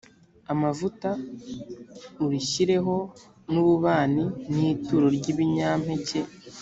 amavuta urishyireho n ububani ni ituro ry ibinyampeke